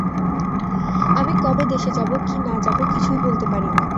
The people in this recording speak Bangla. আমি কবে দেশে যাব, কি না যাব, কিছুই বলতে পারি না।